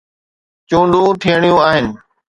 چونڊون ٿيڻيون آهن.